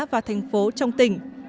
và thành phố trong tỉnh